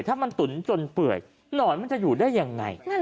ถ้ามันตุ๋นจนเปื่อยหนอนมันจะอยู่ได้ยังไง